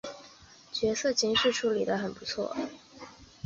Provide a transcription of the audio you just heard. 角色情绪处理的也很不错